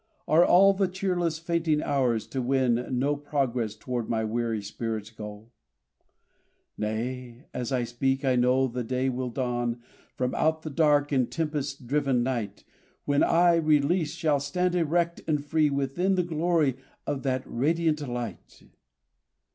Are all the cheerless, fainting hours to win No progress toward my weary spirit's goal? Nay! as I speak, I know the day will dawn From out the dark and tempest driven night, When I, released, shall stand erect and free Within the glory of that radiant light!